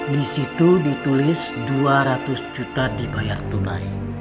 di situ ditulis dua ratus juta dibayar tunai